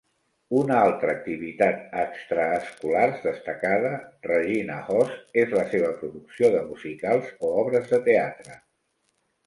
Una altra activitat extraescolars destacada Regina hosts és la seva producció de musicals o obres de teatre.